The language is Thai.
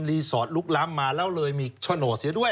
สอดลุกล้ำมาแล้วเลยมีโฉนดเสียด้วย